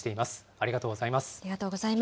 ありがとうございます。